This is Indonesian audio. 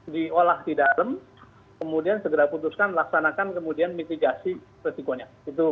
diolah di dalam kemudian segera putuskan laksanakan kemudian mitigasi resikonya